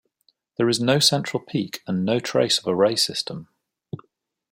There is no central peak, and no trace of a ray system.